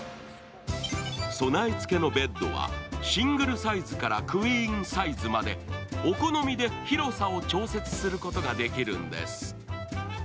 備え付けのベッドは、シングルサイズからクイーンサイズまでお好みで広さを調節することができるんです。